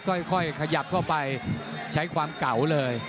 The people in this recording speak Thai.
ค่อยขยับเข้าไปใช้ความเก่าเลย